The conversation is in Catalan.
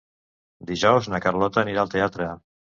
Dijous na Carlota anirà al teatre.